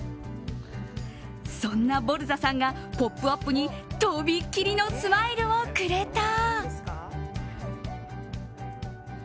そんなボルザさんが「ポップＵＰ！」にとびっきりのスマイルをくれた。